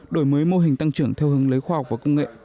đổi mới mô hình tăng trưởng theo hướng lấy khoa học và công nghệ